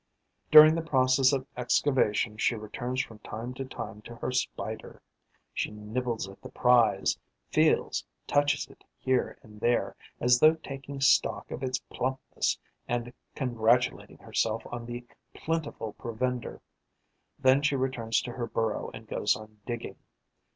During the process of excavation, she returns from time to time to her Spider; she nibbles at the prize, feels, touches it here and there, as though taking stock of its plumpness and congratulating herself on the plentiful provender; then she returns to her burrow and goes on digging.